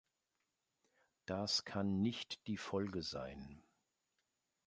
Das kann nicht die Folge sein.